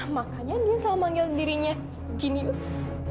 makanya dia selalu manggil dirinya genius